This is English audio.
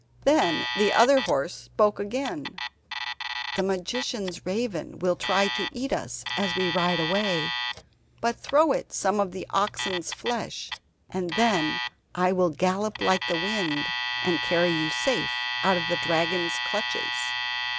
Then the other horse spoke again: "The magician's raven will try to eat us as we ride away, but throw it some of the oxen's flesh, and then I will gallop like the wind, and carry you safe out of the dragon's clutches."